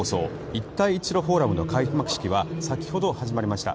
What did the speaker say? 一帯一路フォーラムの開幕式は先ほど始まりました。